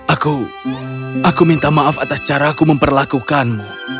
aku aku minta maaf atas cara aku memperlakukanmu